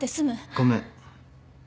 ごめん。